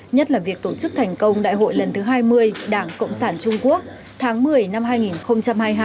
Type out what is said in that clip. nhất là việc tổ chức thành công đại hội lần thứ hai mươi đảng cộng sản trung quốc tháng một mươi năm hai nghìn hai mươi hai